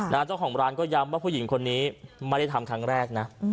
เจ้าของร้านก็ย้ำว่าผู้หญิงคนนี้ไม่ได้ทำครั้งแรกนะ